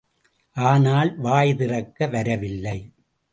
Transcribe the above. ஆனால், வாய் திறக்க வரவில்லை.